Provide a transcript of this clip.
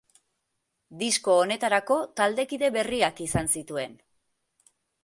Disko honetarako, taldekide berriak izan zituen.